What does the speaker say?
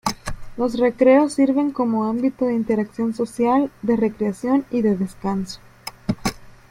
Los recreos sirven como ámbito de interacción social, de recreación, y de descanso.